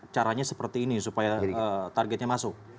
caranya seperti ini supaya targetnya masuk